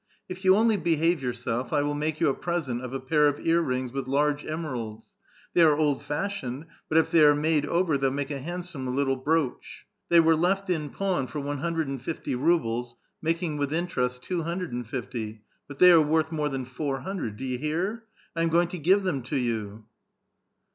" If you only behave yourself, I will make you a present of a pair of ear rings with large emeralds ; they are old fashioned, but if thev are made over, thev*ll make a handsome little brooch. They were left in pawn for one hundred and fifty rubles, making with interest two hundred and fifty ; but they are worth more than four hundred. Do you hear? I am going to give them to you."